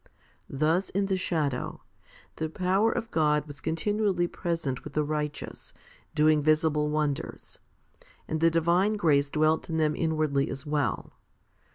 Thus, in the shadow, the power of God was continually present with the righteous, doing visible wonders ; and the divine grace dwelt in them inwardly as well.